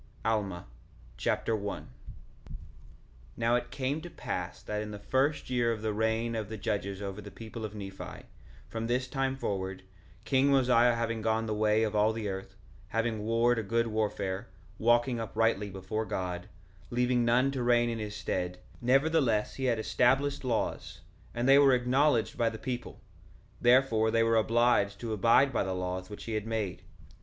Alma Chapter 1 1:1 Now it came to pass that in the first year of the reign of the judges over the people of Nephi, from this time forward, king Mosiah having gone the way of all the earth, having warred a good warfare, walking uprightly before God, leaving none to reign in his stead; nevertheless he had established laws, and they were acknowledged by the people; therefore they were obliged to abide by the laws which he had made.